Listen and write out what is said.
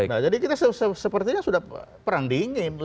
nah jadi kita sepertinya sudah perang dingin